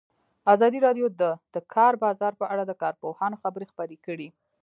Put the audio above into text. ازادي راډیو د د کار بازار په اړه د کارپوهانو خبرې خپرې کړي.